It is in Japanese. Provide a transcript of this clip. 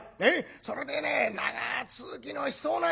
それでね長続きのしそうな人を」。